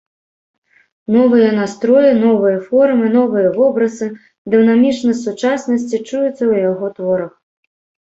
Новыя настроі, новыя формы, новыя вобразы, дынамічнасць сучаснасці чуецца ў яго творах.